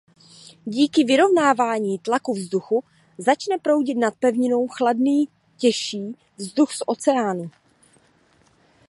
Díky vyrovnávání tlaku vzduchu začne proudit nad pevninu chladný těžší vzduch z oceánu.